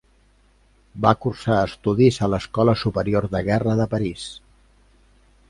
Va cursar estudis a l'Escola Superior de Guerra de París.